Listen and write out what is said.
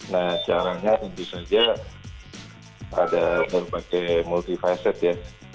nah caranya ini saja ada berbagai multifacet ya